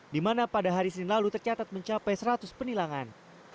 di mana pada hari senin lalu tercatat mencapai seratus penilangan